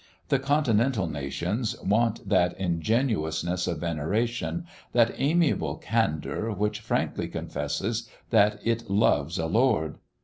The continental nations want that ingenuousness of veneration, that amiable candour which frankly confesses that it "loves a lord."